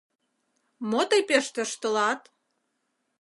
Мо тый пеш тӧрштылат!